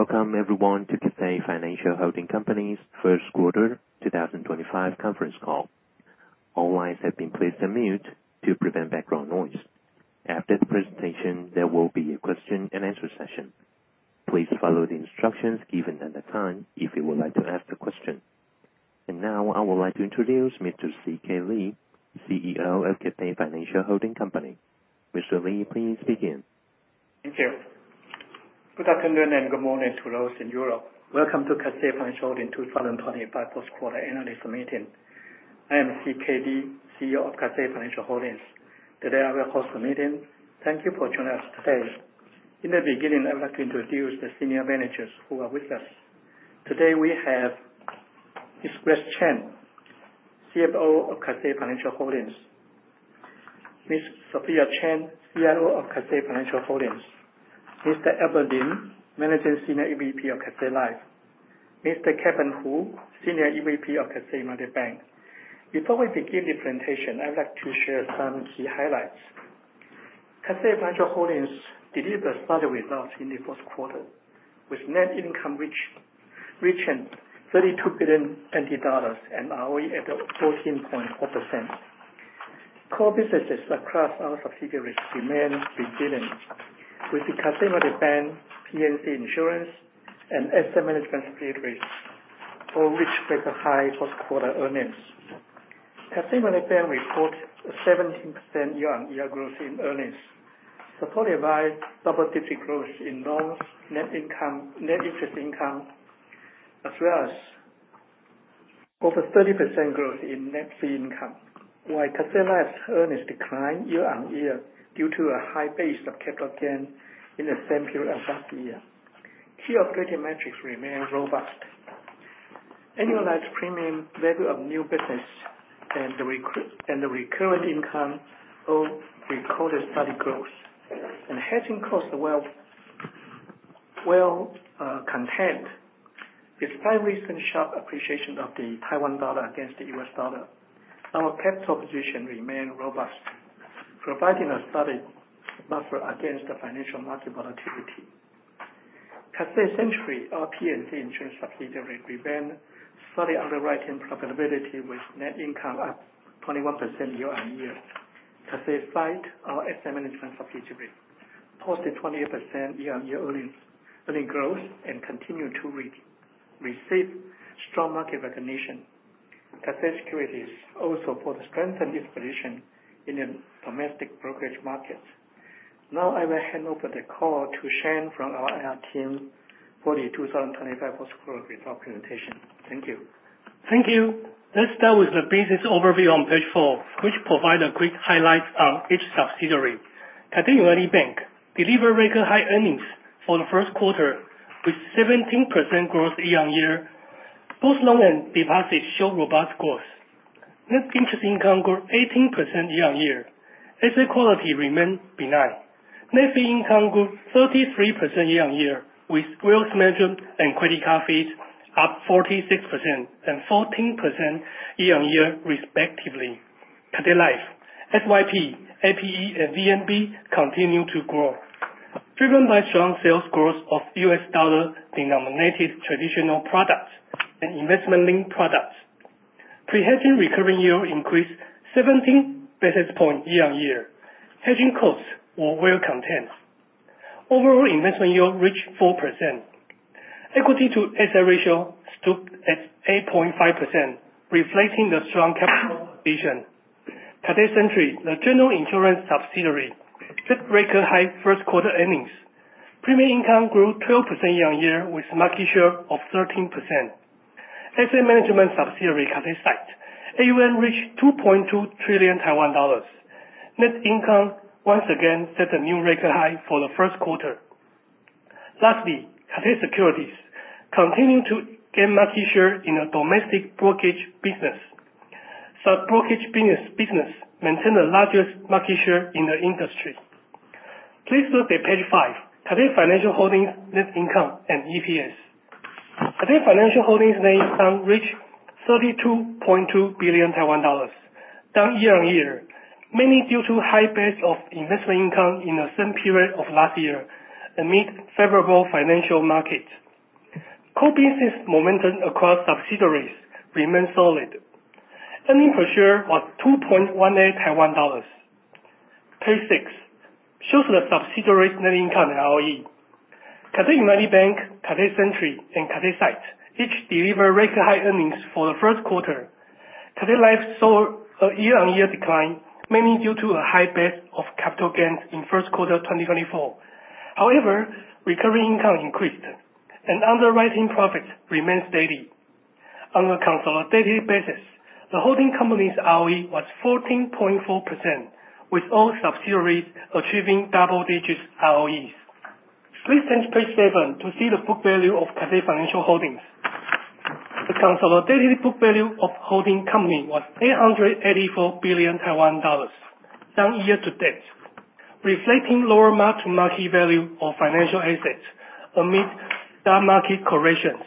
Welcome everyone to Cathay Financial Holding Co.'s first quarter 2025 conference call. All lines have been placed on mute to prevent background noise. After the presentation, there will be a question and answer session. Please follow the instructions given at the time if you would like to ask a question. Now, I would like to introduce Mr. C.K. Lee, CEO of Cathay Financial Holding Co. Mr. Lee, please begin. Thank you. Good afternoon and good morning to those in Europe. Welcome to Cathay Financial Holding 2025 first quarter analyst meeting. I am C.K. Lee, CEO of Cathay Financial Holdings. Today, I will host the meeting. Thank you for joining us today. In the beginning, I would like to introduce the senior managers who are with us. Today, we have Ms. Grace Chen, CFO of Cathay Financial Holdings. Ms. Sophia Cheng, CIO of Cathay Financial Holdings. Mr. Abel Lin, Managing Senior EVP of Cathay Life. Mr. Kevin Hu, Senior EVP of Cathay United Bank. Before we begin the presentation, I would like to share some key highlights. Cathay Financial Holdings delivered solid results in the first quarter, with net income reaching 32 billion NT dollars and ROE at 14.4%. Core businesses across our subsidiaries remain resilient, with the Cathay United Bank, P&C Insurance, and asset management subsidiaries all reaching high first quarter earnings. Cathay United Bank reports a 17% year-on-year growth in earnings, supported by double-digit growth in loans, net income, net interest income, as well as over 30% growth in net fee income. While Cathay Life's earnings declined year-on-year due to a high base of capital gain in the same period of last year, key operating metrics remain robust. Annualized premium rate of new business and the recurrent income both recorded steady growth. Hedging costs were contained. Despite recent sharp appreciation of the Taiwan dollar against the U.S. dollar, our capital position remain robust, providing a solid buffer against the financial market volatility. Cathay Century, our P&C Insurance subsidiary, presented steady underwriting profitability with net income up 21% year-on-year. Cathay SITE, our asset management subsidiary, posted 28% year-on-year earnings growth and continues to receive strong market recognition. Cathay Securities also further strengthened its position in the domestic brokerage markets. Now, I will hand over the call to Shane from our investor relations team for the 2025 first quarter results presentation. Thank you. Thank you. Let's start with the business overview on page four, which provide a quick highlight of each subsidiary. Cathay United Bank delivered record high earnings for the first quarter, with 17% growth year-on-year. Both loan and deposits show robust growth. Net interest income grew 18% year-on-year. Asset quality remain benign. Net fee income grew 33% year-on-year, with wealth management and credit card fees up 46% and 14% year-on-year respectively. Cathay Life, FYP, APE and VNB continue to grow, driven by strong sales growth of U.S. dollar-denominated traditional products and investment-linked products. Pre-hedging recurring yield increased 17 basis points year-on-year. Hedging costs were well contained. Overall investment yield reached 4%. Equity to asset ratio stood at 8.5%, reflecting the strong capital position. Cathay Century, the general insurance subsidiary, had record high first quarter earnings. Premium income grew 12% year-on-year, with market share of 13%. Asset management subsidiary, Cathay SITE, AUM reached 2.2 trillion Taiwan dollars. Net income once again set a new record high for the first quarter. Lastly, Cathay Securities continue to gain market share in the domestic brokerage business. Sub-brokerage business maintained the largest market share in the industry. Please look at page five. Cathay Financial Holdings net income and EPS. Cathay Financial Holdings net income reached 32.2 billion Taiwan dollars, down year-on-year, mainly due to high base of investment income in the same period of last year amid favorable financial market. Core business momentum across subsidiaries remain solid. Earnings per share was 2.18 Taiwan dollars. Page six shows the subsidiaries' net income and ROE. Cathay United Bank, Cathay Century, and Cathay SITE each delivered record high earnings for the first quarter. Cathay Life saw a year-on-year decline, mainly due to a high base of capital gains in first quarter 2024. However, recurring income increased, and underwriting profits remained steady. On a consolidated basis, the holding company's ROE was 14.4%, with all subsidiaries achieving double-digit ROEs. Please turn to page seven to see the book value of Cathay Financial Holdings. The consolidated book value of holding company was 884 billion Taiwan dollars, down year to date, reflecting lower mark-to-market value of financial assets amid down market corrections.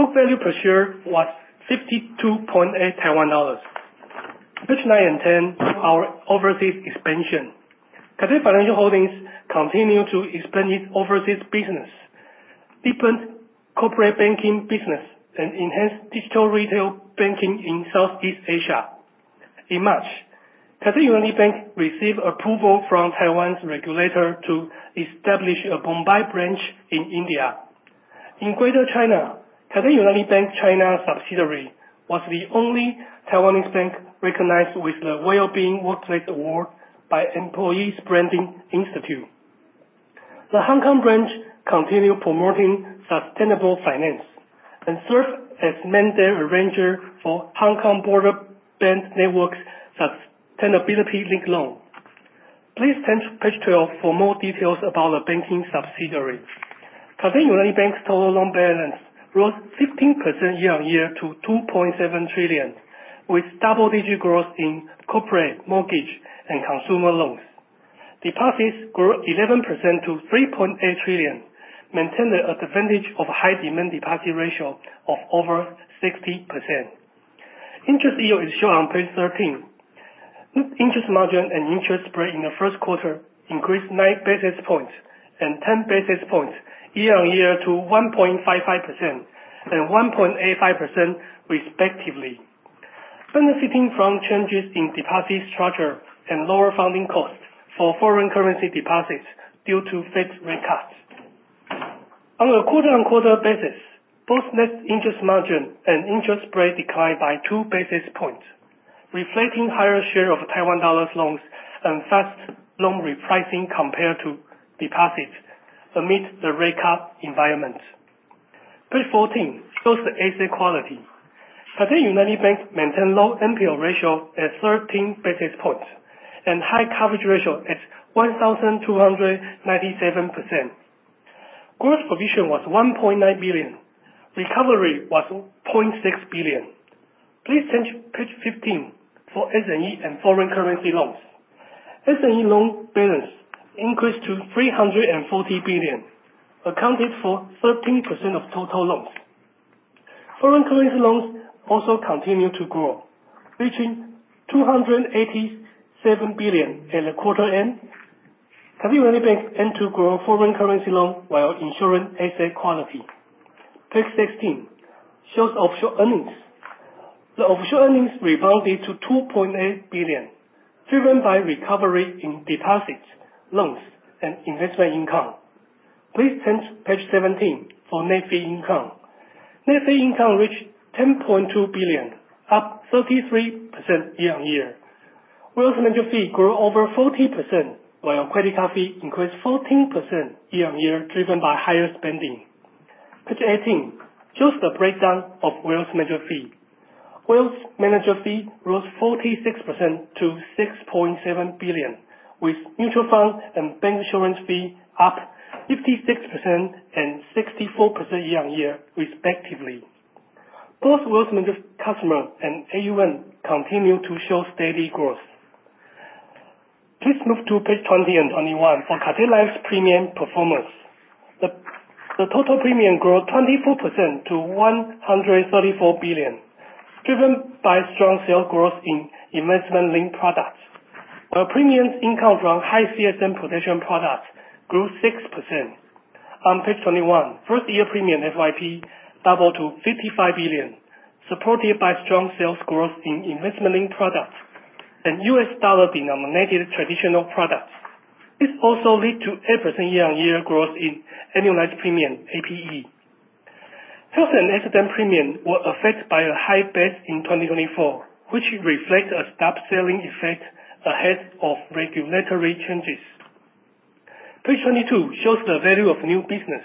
Book value per share was 52.8 Taiwan dollars. Pages nine and 10 are overseas expansion. Cathay Financial Holdings continue to expand its overseas business, deepen corporate banking business, and enhance digital retail banking in Southeast Asia. In March, Cathay United Bank received approval from Taiwan's regulator to establish a Mumbai branch in India. In Greater China, Cathay United Bank (China) subsidiary was the only Taiwanese bank recognized with the Well-Being Workplace Award by Employer Branding Institute. The Hong Kong branch continue promoting sustainable finance and served as mandate arranger for Hong Kong Broadband Network sustainability-linked loan. Please turn to page 12 for more details about the banking subsidiary. Cathay United Bank's total loan balance rose 15% year-on-year to 2.7 trillion, with double-digit growth in corporate mortgage and consumer loans. Deposits grew 11% to 3.8 trillion, maintaining an advantage of high demand deposit ratio of over 60%. Interest yield is shown on page 13. Interest margin and interest spread in the first quarter increased 9 basis points and 10 basis points year-on-year to 1.55% and 1.85% respectively, benefiting from changes in deposit structure and lower funding costs for foreign currency deposits due to Fed rate cuts. On a quarter-on-quarter basis, both net interest margin and interest spread declined by 2 basis points, reflecting higher share of Taiwan dollars loans and fast loan repricing compared to deposits amid the rate cut environment. Page 14 shows the asset quality. Cathay United Bank maintain low NPL ratio at 13 basis points and high coverage ratio at 1,297%. Gross provision was 1.9 billion. Recovery was 0.6 billion. Please turn to page 15 for SME and foreign currency loans. SME loan balance increased to 340 billion, accounted for 13% of total loans. Foreign currency loans also continue to grow, reaching TWD 287 billion at the quarter-end. Cathay United Bank aim to grow foreign currency loans while ensuring asset quality. Page 16 shows offshore earnings. The offshore earnings rebounded to 2.8 billion, driven by recovery in deposits, loans, and investment income. Please turn to page 17 for net fee income. Net fee income reached TWD 10.2 billion, up 33% year-on-year. Wealth manager fee grew over 40%, while credit card fee increased 14% year-on-year, driven by higher spending. Page 18 shows the breakdown of wealth manager fee. Wealth manager fee rose 46% to 6.7 billion, with mutual funds and bank insurance fee up 56% and 64% year-on-year respectively. Both wealth managers, customers, and AUM continue to show steady growth. Please move to page 20 and 21 for Cathay Life's premium performance. The total premium growth 24% to 134 billion, driven by strong sales growth in investment-linked products, where premium income from high CSM protection products grew 6%. On page 21, first year premium FYP doubled to 55 billion, supported by strong sales growth in investment-linked products and U.S. dollar-denominated traditional products. This also led to 8% year-on-year growth in annualized premium, APE. Health and accident premiums were affected by a high base in 2024, which reflects a stop-selling effect ahead of regulatory changes. Page 22 shows the value of new business.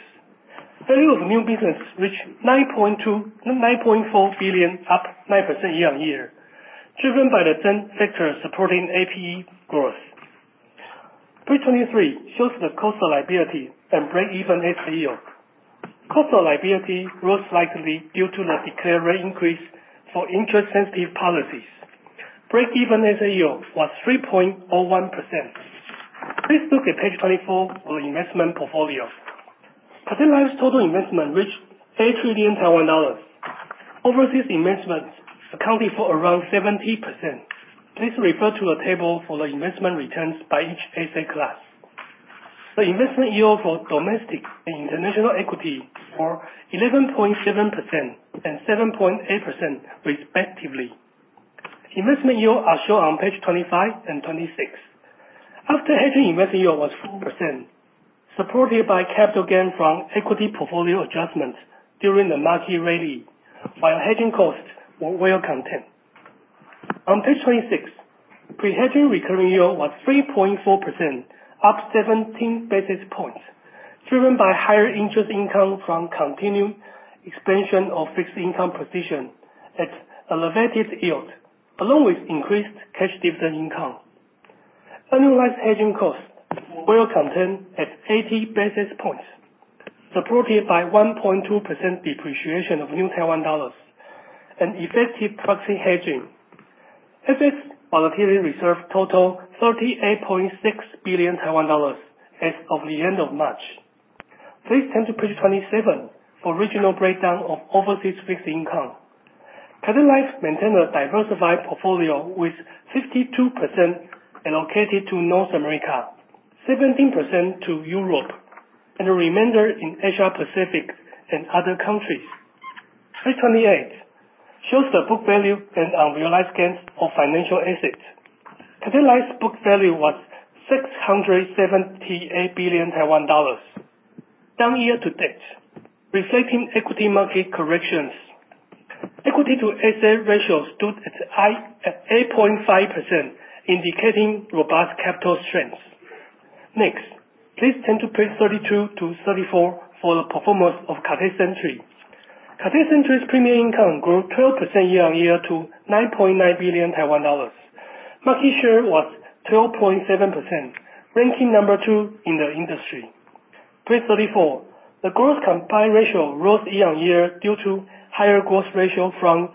Value of new business reached 9.4 billion, up 9% year-on-year, driven by the same factors supporting APE growth. Page 23 shows the cost of liability and break-even asset yield. Cost of liability rose slightly due to the declared rate increase for interest-sensitive policies. Break-even asset yield was 3.01%. Please look at page 24 for the investment portfolio. Cathay Life's total investment reached 8 trillion Taiwan dollars. Overseas investments accounted for around 70%. Please refer to the table for the investment returns by each asset class. The investment yield for domestic and international equity were 11.7% and 7.8% respectively. Investment yield are shown on page 25 and 26. After-hedging investment yield was 4%, supported by capital gain from equity portfolio adjustments during the market rally, while hedging costs were well contained. On page 26, pre-hedging recurring yield was 3.4%, up 17 basis points, driven by higher interest income from continued expansion of fixed income position at elevated yields, along with increased cash dividend income. Annualized hedging costs were well contained at 80 basis points, supported by 1.2% depreciation of New Taiwan Dollars and effective proxy hedging. Asset volatility reserve totaled TWD 38.6 billion as of the end of March. Please turn to page 27 for regional breakdown of overseas fixed income. Cathay Life maintains a diversified portfolio with 52% allocated to North America, 17% to Europe, and the remainder in Asia-Pacific and other countries. Page 28 shows the book value and unrealized gains of financial assets. Cathay Life's book value was 678 billion Taiwan dollars, down year-to-date, reflecting equity market corrections. Equity to asset ratio stood at 8.5%, indicating robust capital strength. Next, please turn to page 32 to 34 for the performance of Cathay Century. Cathay Century's premium income grew 12% year-on-year to 9.9 billion Taiwan dollars. Market share was 12.7%, ranking number two in the industry. Page 34, the gross combined ratio rose year-on-year due to higher gross ratio from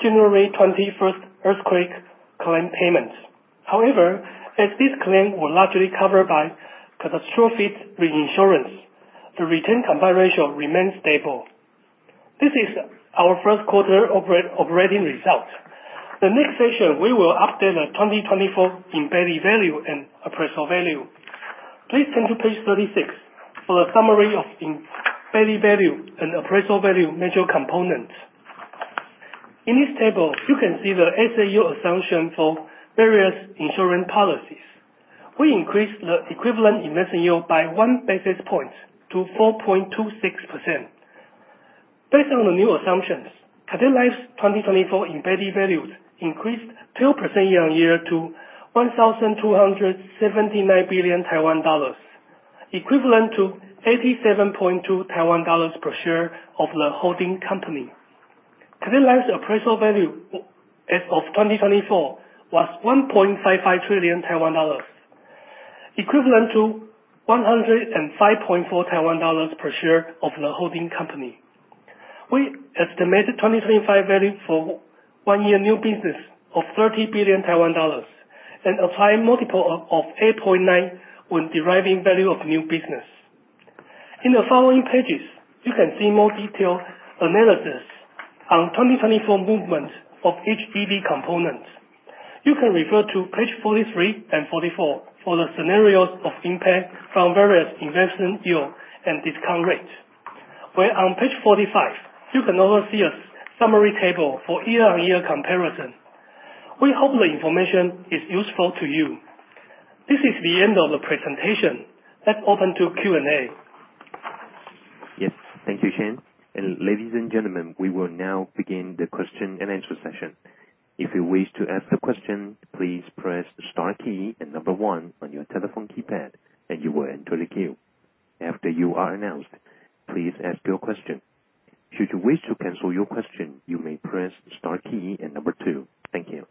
January 21st earthquake claim payments. However, as these claims were largely covered by catastrophic reinsurance, the retained combined ratio remained stable. This is our first quarter operating result. The next section, we will update the 2024 embedded value and appraisal value. Please turn to page 36 for a summary of embedded value and appraisal value measure components. In this table, you can see the SAU assumption for various insurance policies. We increased the equivalent investment yield by 1 basis point to 4.26%. Based on the new assumptions, Cathay Life's 2024 embedded values increased 2% year-on-year to 1,279 billion Taiwan dollars, equivalent to 87.2 Taiwan dollars per share of the holding company. Cathay Life's appraisal value as of 2024 was 1.55 trillion Taiwan dollars, equivalent to 105.4 Taiwan dollars per share of the holding company. We estimated 2025 value for one year new business of 30 billion Taiwan dollars and apply multiple of 8.9 when deriving value of new business. In the following pages, you can see more detailed analysis on 2024 movement of each BV component. You can refer to page 43 and 44 for the scenarios of impact from various investment yield and discount rates. While on page 45, you can also see a summary table for year-on-year comparison. We hope the information is useful to you. This is the end of the presentation. Let's open to Q&A. Yes. Thank you, Shane. Ladies and gentlemen, we will now begin the question and answer session. If you wish to ask a question, please press star key and number one on your telephone keypad, and you will enter the queue. After you are announced, please ask your question. Should you wish to cancel your question, you may press star key and number two. Thank you.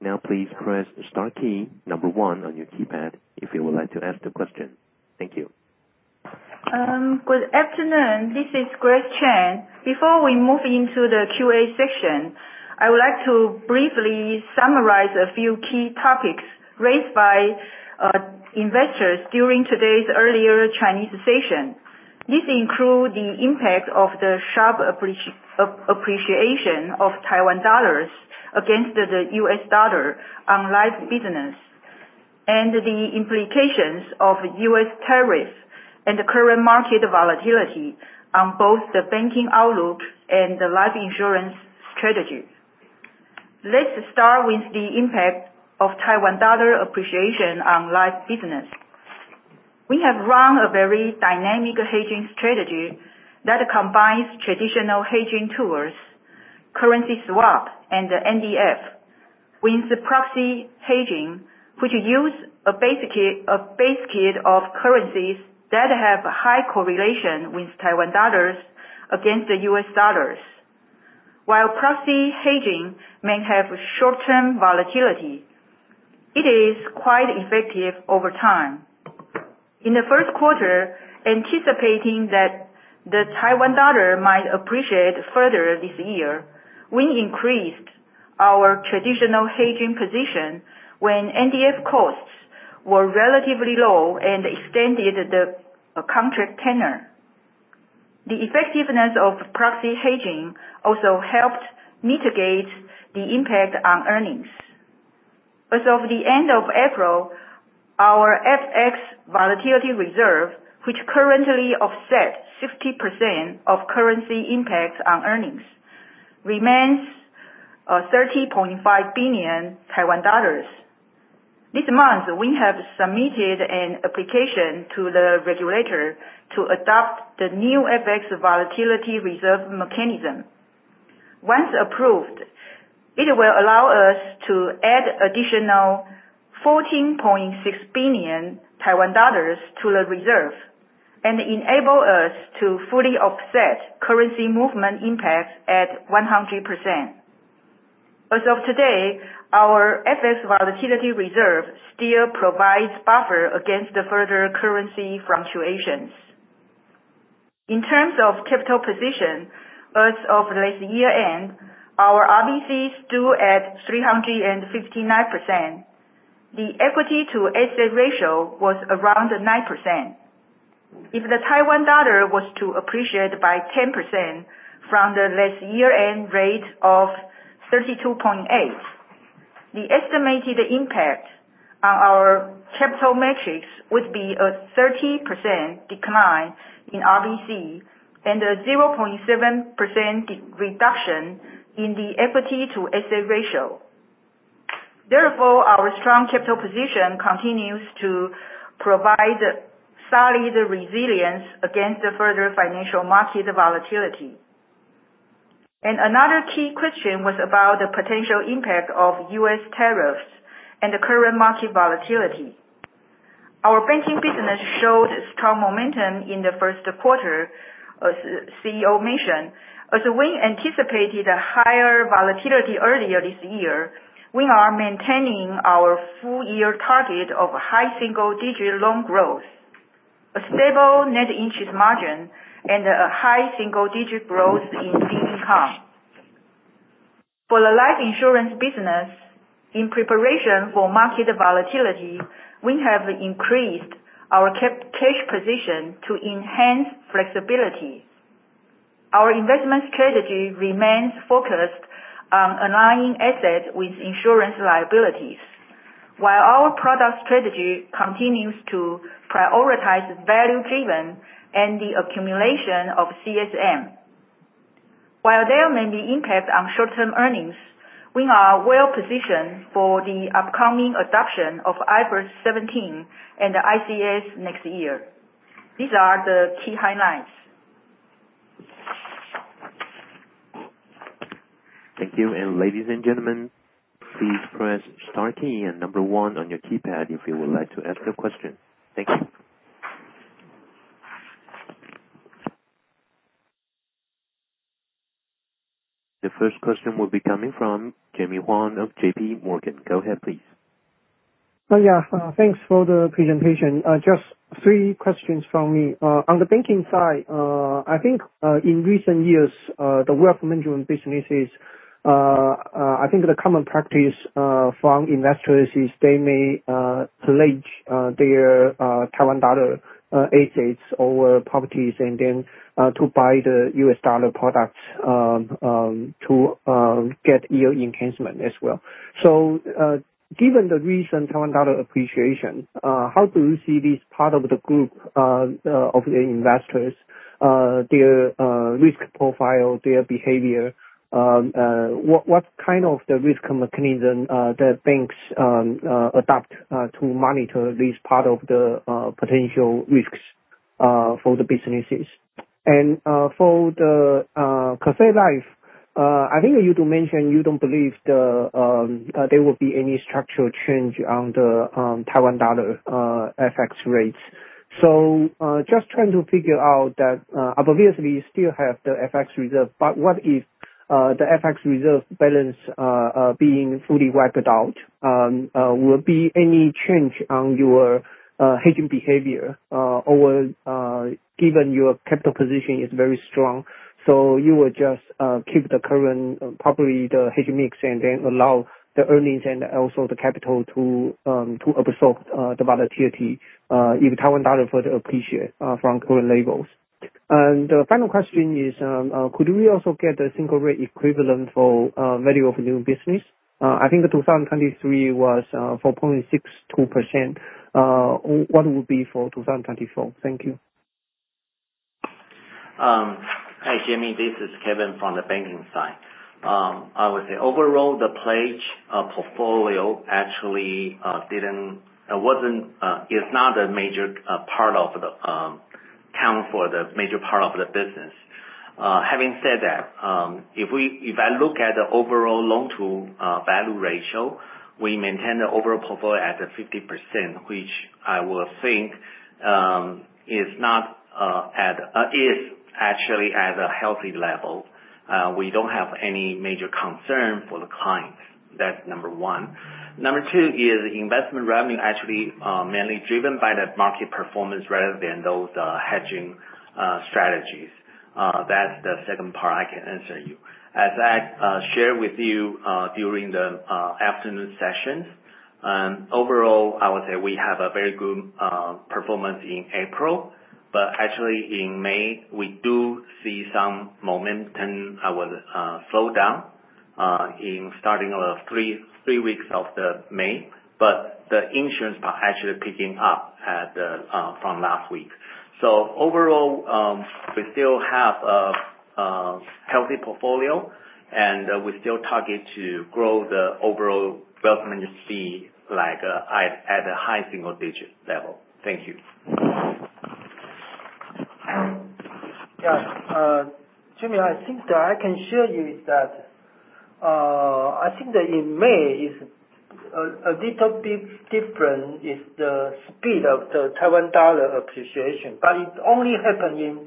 Now, please press star key number one on your keypad if you would like to ask a question. Thank you. Good afternoon. This is Grace Chen. Before we move into the QA session, I would like to briefly summarize a few key topics raised by investors during today's earlier Chinese session. This includes the impact of the sharp appreciation of Taiwan dollars against the U.S. dollar on life business, and the implications of U.S. tariffs and the current market volatility on both the banking outlook and the life insurance strategies. Let's start with the impact of Taiwan dollar appreciation on life business. We have run a very dynamic hedging strategy that combines traditional hedging tools, currency swap and NDF with proxy hedging, which uses a basket of currencies that have high correlation with Taiwan dollars against the U.S. dollars. While proxy hedging may have short-term volatility, it is quite effective over time. In the first quarter, anticipating that the Taiwan dollar might appreciate further this year, we increased our traditional hedging position when NDF costs were relatively low and extended the contract tenure. The effectiveness of proxy hedging also helped mitigate the impact on earnings. As of the end of April, our foreign-exchange volatility reserve, which currently offset 60% of currency impacts on earnings, remains 30.5 billion Taiwan dollars. This month we have submitted an application to the regulator to adopt the new foreign-exchange volatility reserve mechanism. Once approved, it will allow us to add additional 14.6 billion Taiwan dollars to the reserve and enable us to fully offset currency movement impacts at 100%. As of today, our foreign-exchange volatility reserve still provides buffer against the further currency fluctuations. In terms of capital position, as of this year-end, our RBC stood at 359%. The equity to asset ratio was around 9%. If the Taiwan dollar was to appreciate by 10% from the last year-end rate of 32.8, the estimated impact on our capital metrics would be a 30% decline in RBC and a 0.7% reduction in the equity to asset ratio. Therefore, our strong capital position continues to provide solid resilience against the further financial market volatility. Another key question was about the potential impact of U.S. tariffs and the current market volatility. Our banking business showed strong momentum in the first quarter, as CEO mentioned. As we anticipated a higher volatility earlier this year, we are maintaining our full year target of high single digit loan growth, a stable net interest margin, and a high single digit growth in fee income. For the life insurance business, in preparation for market volatility, we have increased our cash position to enhance flexibility. Our investment strategy remains focused on aligning assets with insurance liabilities, while our product strategy continues to prioritize value driven and the accumulation of CSM. While there may be impact on short-term earnings, we are well-positioned for the upcoming adoption of IFRS 17 and the ICS next year. These are the key highlights. Thank you. Ladies and gentlemen, please press star key and number one on your keypad if you would like to ask a question. Thank you. The first question will be coming from Jimmy Huang of JPMorgan. Go ahead, please. Oh, yeah. Thanks for the presentation. Just three questions from me. On the banking side, I think, in recent years, the wealth management businesses, I think the common practice from investors is they may pledge their Taiwan dollar assets over properties and then to buy the U.S. dollar products, to get yield enhancement as well. Given the recent Taiwan dollar appreciation, how do you see this part of the group of the investors, their risk profile, their behavior, what kind of the risk mechanism the banks adopt to monitor this part of the potential risks for the businesses? For the Cathay Life, I think you do mention you don't believe there will be any structural change on the Taiwan dollar FX rates. Just trying to figure out that obviously you still have the FX reserve, but what if the FX reserve balance being fully wiped out will be any change on your hedging behavior or given your capital position is very strong, so you will just keep the current probably the hedging mix and then allow the earnings and also the capital to absorb the volatility if Taiwan dollar further appreciate from current levels. The final question is could we also get a single rate equivalent for value of new business? I think the 2023 was 4.62%. What would be for 2024? Thank you. Hi, Jimmy. This is Kevin from the banking side. I would say overall, the pledge portfolio actually does not account for a major part of the business. Having said that, if I look at the overall loan-to-value ratio, we maintain the overall portfolio at 50%, which I would think is actually at a healthy level. We don't have any major concern for the clients. That's number one. Number two is investment revenue actually mainly driven by the market performance rather than those hedging strategies. That's the second part I can answer you. As I shared with you during the afternoon sessions, overall, I would say we have a very good performance in April. Actually in May, we do see some momentum slow down in starting of three weeks of May, but the insurance are actually picking up from last week. Overall, we still have a healthy portfolio, and we still target to grow the overall development fee like at a high single digit level. Thank you. Yeah. Jimmy, I think that in May is a little bit different is the speed of the Taiwan dollar appreciation, but it only happened in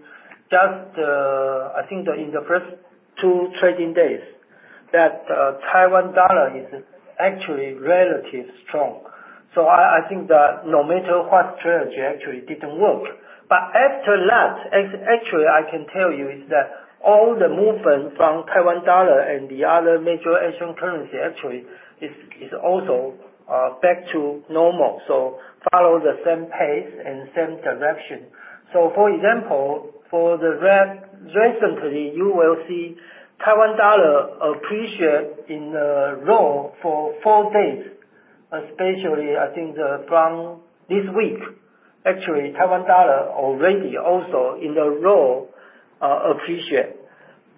just I think that in the first two trading days that Taiwan dollar is actually relatively strong. I think that no matter what strategy actually didn't work. After that, actually, I can tell you is that all the movement from Taiwan dollar and the other major Asian currency actually is also back to normal, so follow the same pace and same direction. For example, recently, you will see Taiwan dollar appreciate in the low for four days, especially I think from this week. Actually, Taiwan dollar already also in the low appreciate.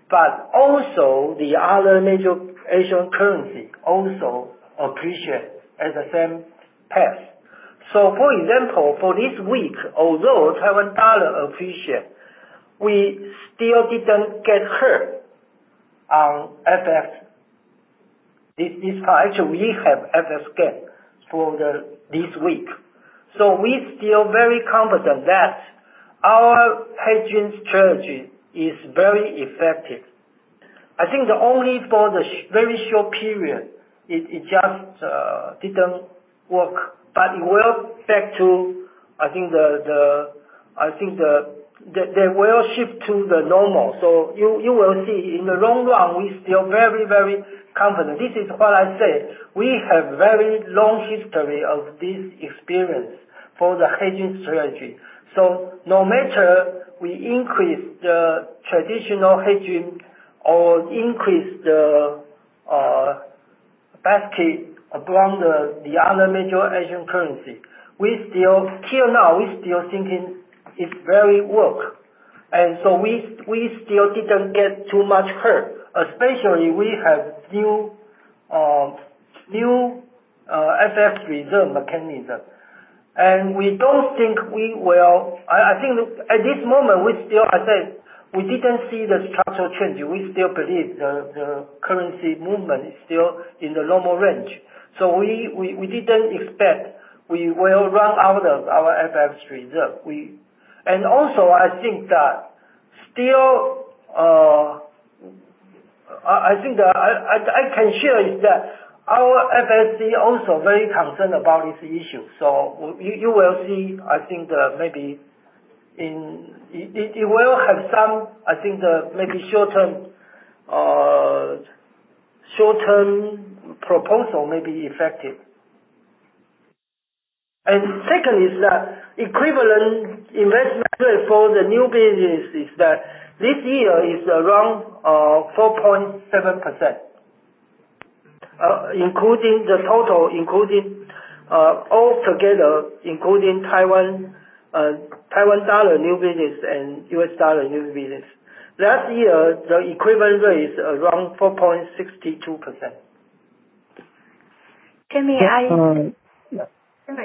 But also the other major Asian currency also appreciate at the same pace. For example, for this week, although Taiwan dollar appreciate, we still didn't get hurt on FX. This far, actually we have FX gain for this week. We still very confident that our hedging strategy is very effective. I think the only for the very short period, it just didn't work. It will back to I think the they will shift to the normal. You will see in the long run we still very, very confident. This is what I say, we have very long history of this experience for the hedging strategy. No matter we increase the traditional hedging or increase the basket upon the other major Asian currency, we still till now, we still thinking it very work. We still didn't get too much hurt, especially we have new FX reserve mechanism. We don't think we will. I think at this moment we still. I said we didn't see the structural change. We still believe the currency movement is still in the normal range. We didn't expect we will run out of our FX reserve. I think that I can share is that our FSC is also very concerned about this issue. You will see, I think, maybe it will have some short-term proposal that may be effective. Second is that equivalent investment yield for the new business this year is around 4.7%. Including the total, all together, including Taiwan dollar new business and U.S. dollar new business. Last year, the equivalent rate is around 4.62%. Can we add- Yeah.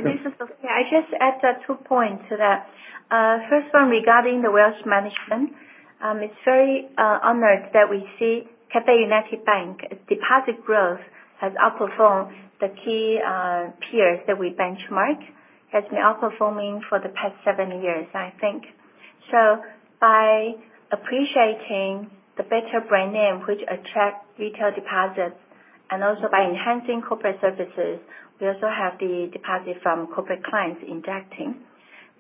This is Sophia. I just add two points to that. First one regarding the wealth management, it's very honored that we see Cathay United Bank deposit growth has outperformed the key peers that we benchmark. Has been outperforming for the past seven years, I think. By appreciating the better brand name which attract retail deposits, and also by enhancing corporate services, we also have the deposit from corporate clients injecting.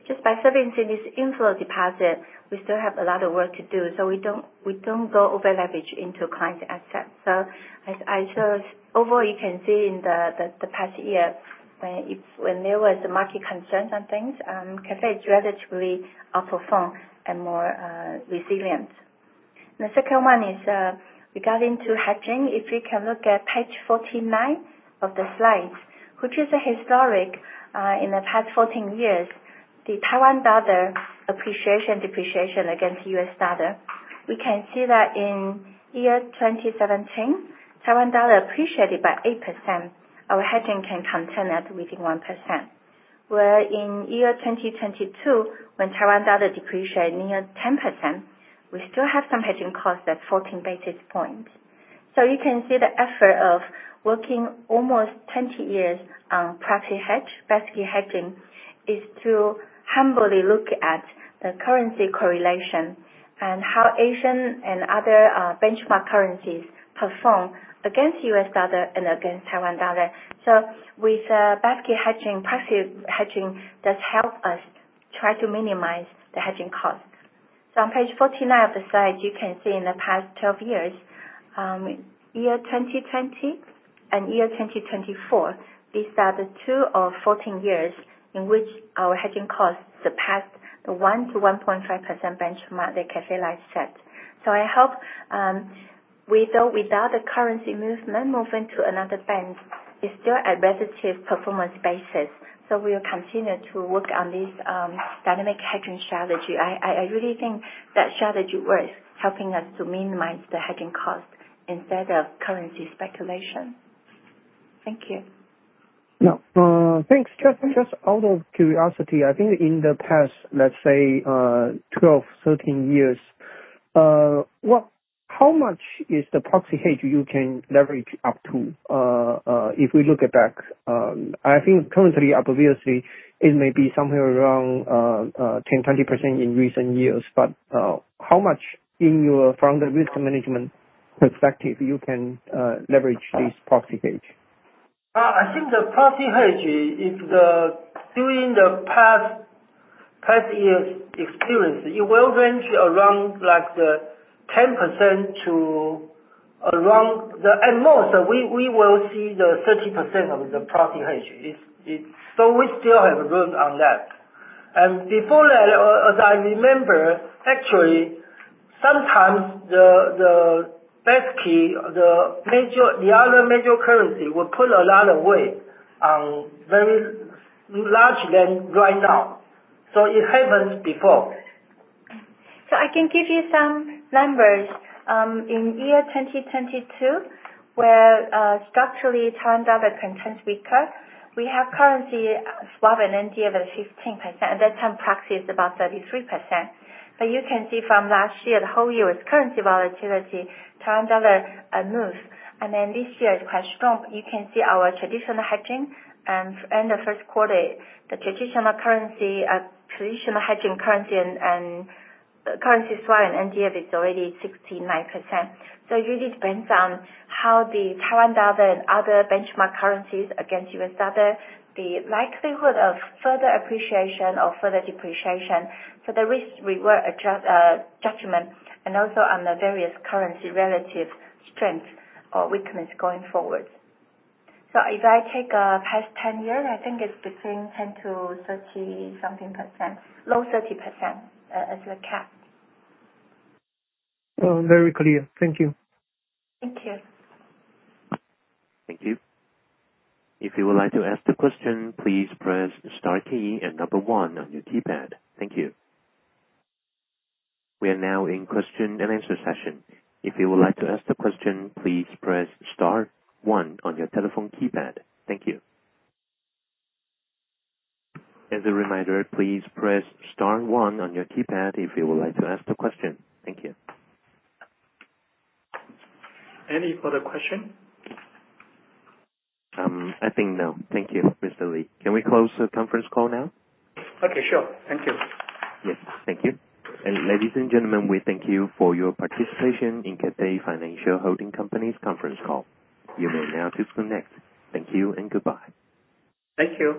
Just by serving this inflow deposit, we still have a lot of work to do, so we don't go over-leverage into client assets. As I showed, overall you can see in the past year, when there was market concerns on things, Cathay strategically outperformed and more resilient. The second one is regarding to hedging. If you can look at page 49 of the slides, which is a historical in the past 14 years, the Taiwan dollar appreciation, depreciation against U.S. dollar. We can see that in year 2017, Taiwan dollar appreciated by 8%. Our hedging can contain that within 1%. Where in year 2022, when Taiwan dollar depreciated near 10%, we still have some hedging costs at 14 basis points. You can see the effort of working almost 20 years on proxy hedge, basically hedging, is to humbly look at the currency correlation and how Asian and other, benchmark currencies perform against U.S. dollar and against Taiwan dollar. With, basket hedging, proxy hedging, that help us try to minimize the hedging cost. On page 49 of the slides, you can see in the past 12 years, year 2020 and year 2024, these are the two of 14 years in which our hedging costs surpassed the 1%-1.5% benchmark that Cathay Life set. I hope, with or without the currency movement, moving to another bank is still a relative performance basis. We'll continue to work on this, dynamic hedging strategy. I really think that strategy worth helping us to minimize the hedging cost instead of currency speculation. Thank you. Yeah. Thanks. Just out of curiosity, I think in the past, let's say, 12, 13 years, what- How much is the proxy hedge you can leverage up to? If we look at that, I think currently up obviously it may be somewhere around 10%, 20% in recent years. How much in your from the risk management perspective you can leverage this proxy hedge? I think the proxy hedge is the during the past years experience, it will range around like 10% to around the at most, we will see the 30% of the proxy hedge. It's so we still have room on that. Before that, as I remember, actually sometimes the basket, the major, the other major currency will pull a lot of weight very largely right now. It happens before. I can give you some numbers. In year 2022, where structurally Taiwan dollar continued weaker, we have currency swap and NDF at 15%. At that time proxy is about 33%. But you can see from last year, the whole year with currency volatility, Taiwan dollar moves. Then this year it's quite strong. You can see our traditional hedging. In the first quarter, the traditional hedging currency and currency swap and NDF is already 69%. It really depends on how the Taiwan dollar and other benchmark currencies against U.S. dollar, the likelihood of further appreciation or further depreciation. The risk-reward judgment and also on the various currency relative strength or weakness going forward. If I take past 10 years, I think it's between 10%-30%-something, low 30%, as a cap. Oh, very clear. Thank you. Thank you. Thank you. If you would like to ask the question, please press star key and number one on your keypad. Thank you. We are now in question and answer session. If you would like to ask the question, please press star one on your telephone keypad. Thank you. As a reminder, please press star one on your keypad if you would like to ask the question. Thank you. Any further question? I think no. Thank you, Mr. Lee. Can we close the conference call now? Okay, sure. Thank you. Yes, thank you. Ladies and gentlemen, we thank you for your participation in Cathay Financial Holding Co.'s Conference call. You may now disconnect. Thank you and goodbye. Thank you.